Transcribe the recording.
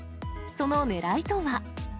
そのねらいとは。